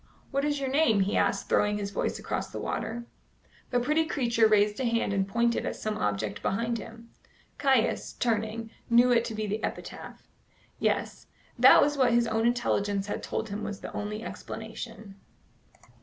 "What is your name?" he asked, throwing his voice across the water. The pretty creature raised a hand and pointed at some object behind him. Caius, turning, knew it to be the epitaph. Yes, that was what his own intelligence had told him was the only explanation.